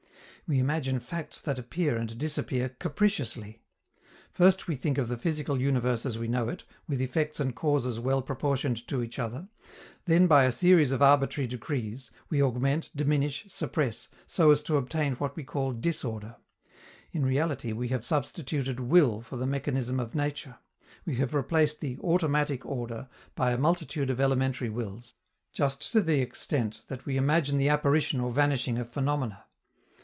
We imagine facts that appear and disappear capriciously. First we think of the physical universe as we know it, with effects and causes well proportioned to each other; then, by a series of arbitrary decrees, we augment, diminish, suppress, so as to obtain what we call disorder. In reality we have substituted will for the mechanism of nature; we have replaced the "automatic order" by a multitude of elementary wills, just to the extent that we imagine the apparition or vanishing of phenomena.